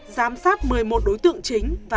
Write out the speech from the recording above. giám sát một mươi một đối tượng chính